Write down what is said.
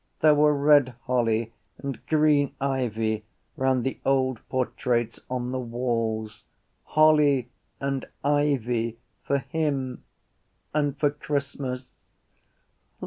There were red holly and green ivy round the old portraits on the walls. Holly and ivy for him and for Christmas.